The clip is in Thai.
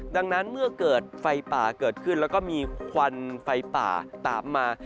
ดังนั้นเมื่อเกิดไฟป่าเกิดขึ้นแล้วก็มีควันไฟป่าตามมา